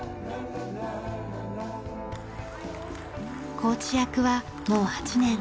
コーチ役はもう８年。